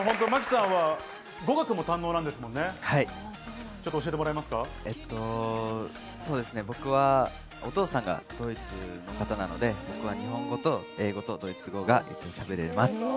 ＭＡＫＩさんは語学も堪能な僕はお父さんがドイツの方なので日本語と英語とドイツ語がしゃべれます。